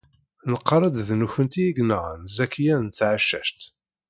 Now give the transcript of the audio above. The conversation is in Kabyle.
Nqarr-d d nekkenti ay yenɣan Zakiya n Tɛeccact.